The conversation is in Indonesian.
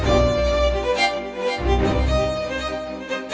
kamu pasti bisa berjaya